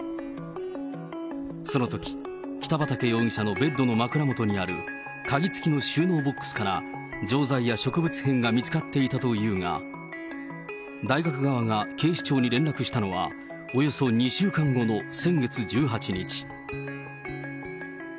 そのとき、北畠容疑者のベッドの枕元にある鍵付きの収納ボックスから、錠剤や植物片が見つかっていたというが、大学側が警視庁に連絡したのは、およそ２週間後の先月１８日。